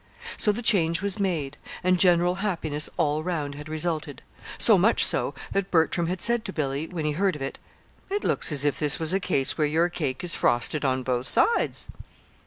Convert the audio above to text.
So the change was made, and general happiness all round had resulted so much so, that Bertram had said to Billy, when he heard of it: "It looks as if this was a case where your cake is frosted on both sides."